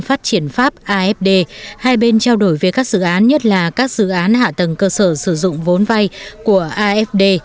phát triển pháp afd hai bên trao đổi về các dự án nhất là các dự án hạ tầng cơ sở sử dụng vốn vay của afd